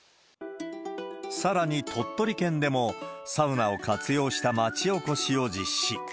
さらに鳥取県でも、サウナを活用した町おこしを実施。